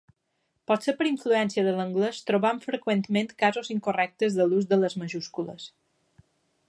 Potser per influència de l'anglès trobem freqüentment casos incorrectes de l'ús de les majúscules.